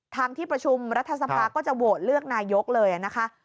ที่ประชุมรัฐสภาก็จะโหวตเลือกนายกเลยนะคะ